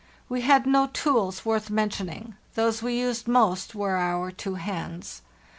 We had no tools worth mentioning; those we used most were our two hands.